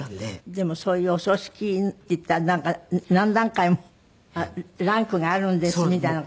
でもそういうお葬式っていったらなんか何段階もランクがあるんですみたいな。